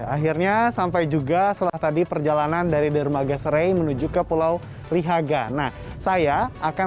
akhirnya sampai juga setelah tadi perjalanan dari dermaga serai menuju ke pulau lihaga nah saya akan